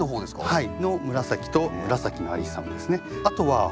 はい。